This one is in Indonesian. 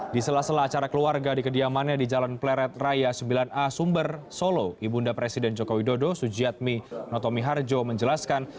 di sela sela acara keluarga di kediamannya di jalan pleret raya sembilan a sumber solo ibunda presiden joko widodo sujiatmi notomi harjo menjelaskan